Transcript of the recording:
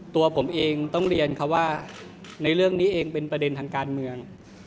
ตัวผมเองต้องเรียนเขาว่าในเรื่องนี้เองเป็นประเด็นทางการเมือง